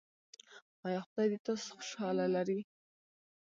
ایا خدای دې تاسو خوشحاله لري؟